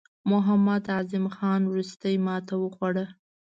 محمد اعظم خان وروستۍ ماته وخوړه.